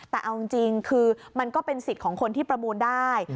แต่เอาจริงคือมันก็เป็นสิทธิ์ของคนที่ประมูลได้